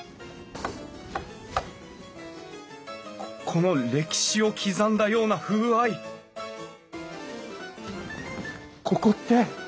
この歴史を刻んだような風合いここって！